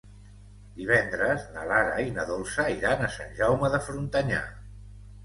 Divendres na Lara i na Dolça iran a Sant Jaume de Frontanyà.